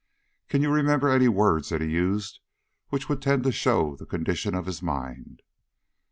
"Can you remember any words that he used which would tend to show the condition of his mind?"